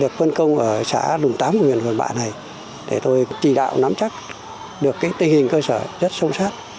trong xã lùng tám của miền hồn bạ này để tôi chỉ đạo nắm chắc được cái tình hình cơ sở rất sâu sắc